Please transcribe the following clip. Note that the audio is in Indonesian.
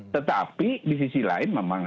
tetapi di sisi lain memang